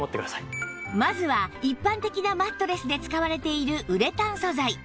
まずは一般的なマットレスで使われているウレタン素材